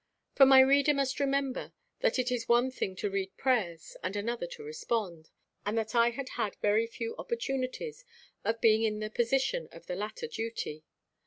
For my reader must remember that it is one thing to read prayers and another to respond; and that I had had very few opportunities of being in the position of the latter duty.